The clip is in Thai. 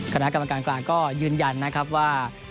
คณะกรรมการกลางก็ยืนยันนะครับว่า